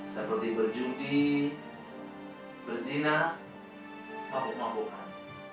seperti berjudi berzina mabuk mabukan